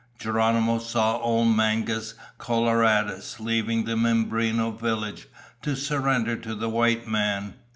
Geronimo saw old Mangus Coloradus, leaving the Mimbreno village to surrender to the white man.